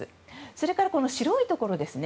それから白いところですね。